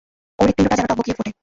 ওর হৃৎপিণ্ডটা যেন টগবগিয়ে ফোটে।